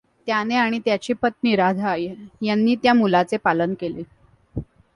त्याने आणि त्याची पत् नी राधा यांनी त्या मुलाचे पालन केले.